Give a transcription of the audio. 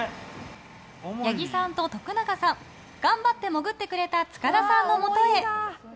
八木さんと徳永さん頑張って潜ってくれた塚田さんのもとへ。